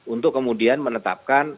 untuk kemudian menetapkan